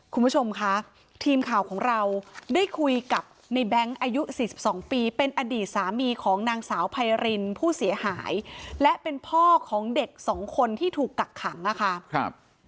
คุณผู้ชมคะทีมข่าวของเราได้คุยกับในแบงค์อายุ๔๒ปีเป็นอดีตสามีของนางสาวไพรินผู้เสียหายและเป็นพ่อของเด็กสองคนที่ถูกกักขังนะคะครับ